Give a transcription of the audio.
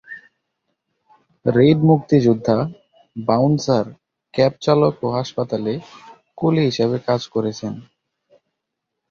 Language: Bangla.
রিড মুষ্টিযোদ্ধা, বাউন্সার, ক্যাব চালক ও হাসপাতালে কুলি হিসেবে কাজ করেছেন।